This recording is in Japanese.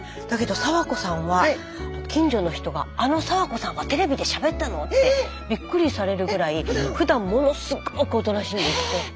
だけど早和子さんは近所の人が「あの早和子さんがテレビでしゃべったの？」ってびっくりされるぐらいふだんものすごくおとなしいんですって。